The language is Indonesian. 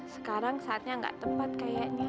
sekarang saatnya nggak tepat kayaknya